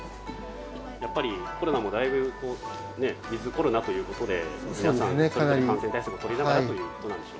やっぱりコロナもだいぶウィズコロナということで皆さんかなり感染対策を取りながらということなんでしょう。